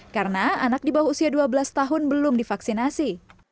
karena anak di bawah usia dua belas tahun belum divaksinasi